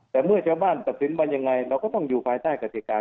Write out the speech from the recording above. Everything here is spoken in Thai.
แต่เมื่อเฉพาะบ้านตราบสินไปอย่างไรเราก็ต้องอยู่ภายใต้กฎิกา